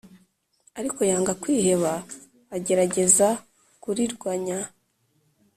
ariko yanga kwiheba, agerageza kurirwanya.